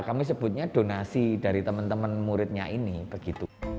kami sebutnya donasi dari teman teman muridnya ini begitu